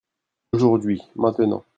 Aujourd'hui/Maintenant.